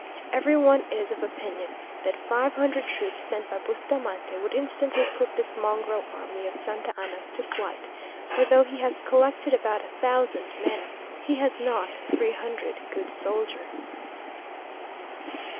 Every one is of opinion that five hundred troops sent by Bustamante, would instantly put this mongrel army of Santa Anna's to flight; for though he has collected about a thousand men, he has not three hundred good soldiers....